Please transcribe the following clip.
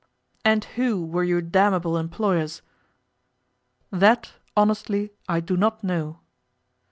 'And who were your damnable employers?' 'That, honestly, I do not know.